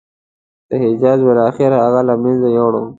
حجاج بالاخره هغه له منځه یووړ.